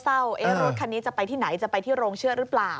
รถคันนี้จะไปที่ไหนจะไปที่โรงเชื่อหรือเปล่า